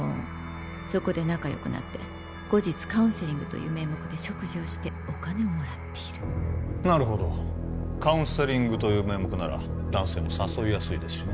そこで仲よくなって後日カウンセリングという名目で食事をしてお金をもらっているなるほどカウンセリングという名目なら男性も誘いやすいですしね